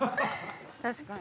確かに。